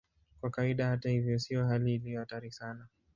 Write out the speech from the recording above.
Kwa kawaida, hata hivyo, sio hali iliyo hatari sana.